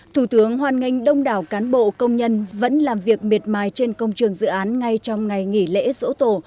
thủ tướng hoan nghênh đông đảo cán bộ công nhân vẫn làm việc miệt mài trên công trường dự án ngay trong ngày nghỉ lễ dỗ tổ